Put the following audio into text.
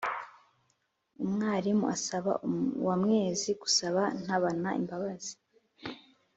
umwarimu asaba uwamwezi gusaba ntabana imbabazi.